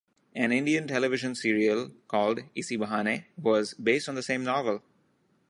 An Indian television serial called Isi Bahane was based on the same novel.